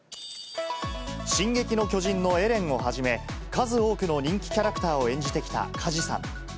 進撃の巨人のエレンをはじめ、数多くの人気キャラクターを演じてきた梶さん。